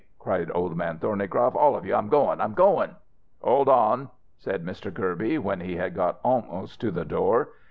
cried Old Man Thornycroft. "All of you! I'm goin' I'm goin'!" "Hold on!" said Mr. Kirby, when he had got almost to the door.